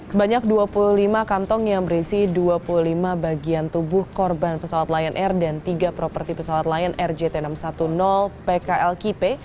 sebanyak dua puluh lima kantong yang berisi dua puluh lima bagian tubuh korban pesawat lion air dan tiga properti pesawat lion air jt enam ratus sepuluh pklkp